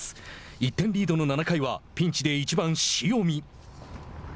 １点リードの７回はピンチで、１番塩見。